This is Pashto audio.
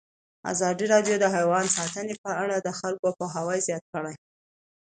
ازادي راډیو د حیوان ساتنه په اړه د خلکو پوهاوی زیات کړی.